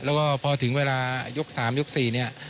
แล้วก็พอถึงเวลายก๓ยก๔เนี่ย